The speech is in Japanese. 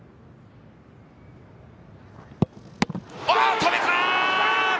止めた！